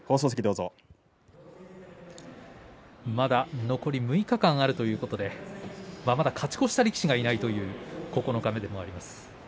まだ残り６日間あるということで勝ち越した力士がいないという九日目です。